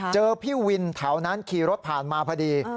เจอพี่วินเท่านั้นขี่รถผ่านมาพอดี